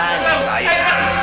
tau tau mbah ben